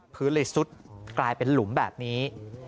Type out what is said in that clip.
พื้นเลยซุดกลายเป็นหลุมแบบนี้